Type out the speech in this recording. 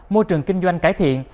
môi trường kinh doanh cải thiện